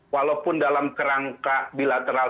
walaupun dalam kerangka bilateral